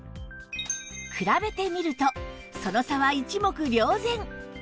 比べてみるとその差は一目瞭然！